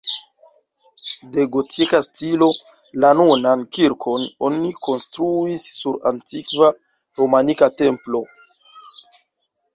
De gotika stilo, la nunan kirkon oni konstruis sur antikva romanika templo.